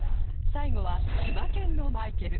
最後は千葉県のマイケル